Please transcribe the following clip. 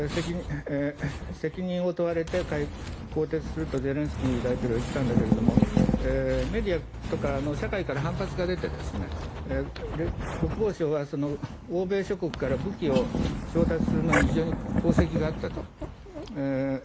責任を問われて更迭するとゼレンスキー大統領は言ったんだけれどもメディアとか社会から反発が出て国防省は欧米諸国から武器を調達するのに非常に功績があったと。